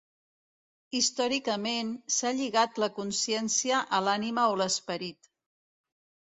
Històricament, s'ha lligat la consciència a l'ànima o esperit.